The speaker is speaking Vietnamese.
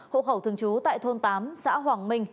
hộ khẩu thường trú tại thôn tám xã hoàng minh